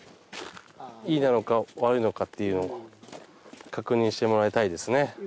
いいのか悪いのかっていうのを確認してもらいたいですね。